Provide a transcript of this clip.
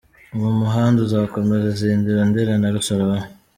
Uwo muhanda uzakomeza Zindiro, Ndera na Rusororo.